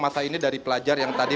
masa ini dari pelajar yang tadi